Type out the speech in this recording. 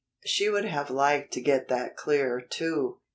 She would have liked to get that clear, too.